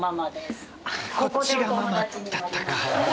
こっちがママだったか。